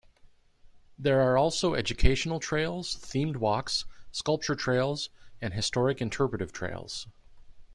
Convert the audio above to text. There are also educational trails, themed walks, sculpture trails and historic interpretive trails.